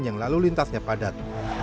yang lalu lintasnya padat